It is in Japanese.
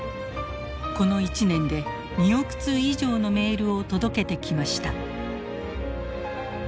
この１年で２億通以上のメールを届けてきました。